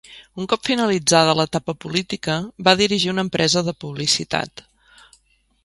Un cop finalitzada l'etapa política, va dirigir una empresa de publicitat.